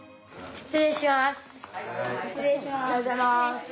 失礼します。